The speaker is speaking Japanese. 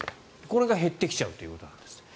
これが減ってきちゃうということなんです。